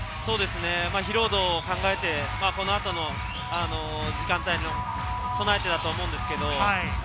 疲労度を考えて、この後の時間帯に備えてだと思いますけど。